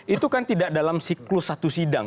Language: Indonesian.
itu kan tidak dalam siklus satu sidang